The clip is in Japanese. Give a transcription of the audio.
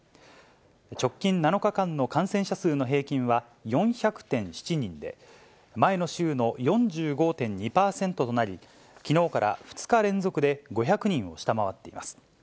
直近７日間の感染者数の平均は４００．７人で、前の週の４５．２％となり、きのうから２日連続で５００人を下回っています。